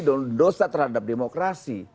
dosa terhadap demokrasi